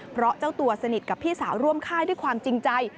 เพราะเจ้าตัวสนิทกับพี่สาวร่วมค่ายด้วยความจริงใจ